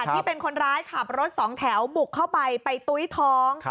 ที่เป็นคนร้ายขับรถสองแถวบุกเข้าไปไปตุ้ยท้อง